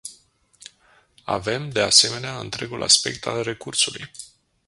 Avem, de asemenea, întregul aspect al recursului.